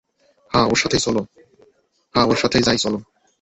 হ্যাঁ, ওর সাথেই যাই, চলো।